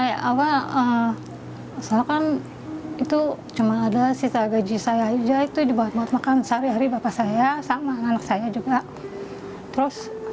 itu cuma ada sisa gaji saya aja itu dibuat makan sehari hari bapak saya sama anak saya juga terus